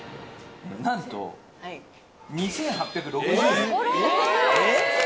なんと２８６０円。